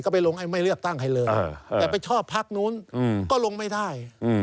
ก็ไปลงให้ไม่เลือกตั้งใครเลยแต่ไปชอบพักนู้นก็ลงไม่ได้